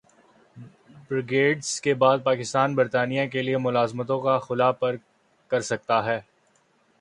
Brexit کے بعد پاکستان برطانیہ کیلئے ملازمتوں کا خلا پر کرسکتا ہے